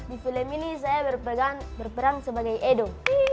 di film ini saya berperan sebagai edo